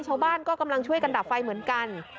ชาวบ้านก็กำลังช่วยกันดับไฟเหมือนกัน